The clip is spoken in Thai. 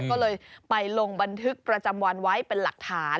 ก็เลยไปลงบันทึกประจำวันไว้เป็นหลักฐาน